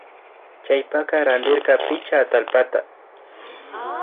Chaypaka randirka pichka atallpata